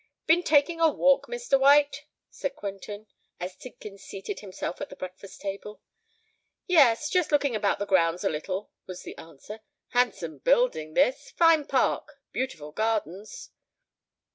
"Been taking a walk, Mr. White?" said Quentin, as Tidkins seated himself at the breakfast table. "Yes—just looking about the grounds a little," was the answer. "Handsome building this—fine park—beautiful gardens."